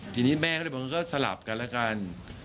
ทีนี้แม่ก็เลยบอกว่าก็สลับกันแล้วกัน